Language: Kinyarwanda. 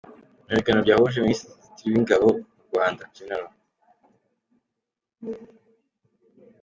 Mu biganiro byahuje Minisitiri w’Ingabo mu Rwanda, Gen.